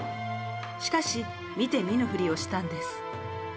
しかし見て見ぬふりをしたんです。